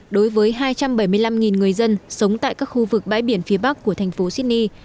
đối với hai trăm bảy mươi năm người dân sống tại các khu vực bãi biển phía bắc của thành phố sydney